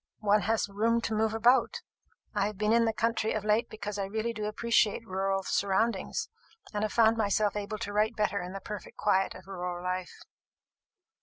One has room to move about. I have been in the country of late because I really do appreciate rural surroundings, and have found myself able to write better in the perfect quiet of rural life."